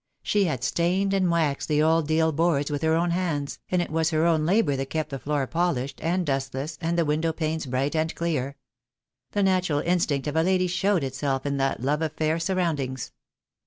She had stained and waxed the old deal boards with her own hands, and it was her own labour that kept the floor polished and dustless, and the window panes bright and clear. The natural instinct of a lady showed itself in that love of fair surroundings.